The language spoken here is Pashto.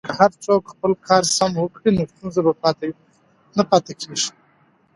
که هر څوک خپل کار سم وکړي نو ستونزه نه پاتې کیږي.